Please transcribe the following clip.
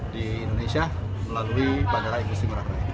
di indonesia melalui bandara inggris timur akhlaq